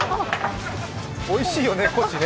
おいしいよね、コチね。